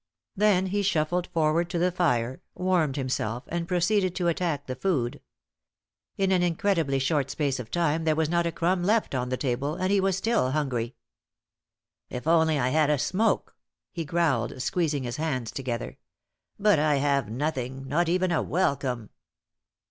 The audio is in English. Then he shuffled forward to the fire, warmed himself, and proceeded to attack the food. In an incredibly short space of time there was not a crumb left on the table, and he was still hungry. "If I only had a smoke!" he growled, squeezing his hands together. "But I have nothing, not even a welcome.